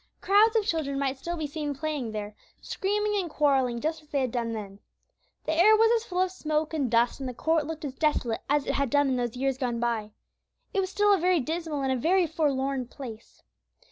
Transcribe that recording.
Crowds of children might still be seen playing there, screaming and quarrelling, just as they had done then. The air was as full of smoke and dust, and the court looked as desolate as it had done in those years gone by. It was still a very dismal and a very forlorn place.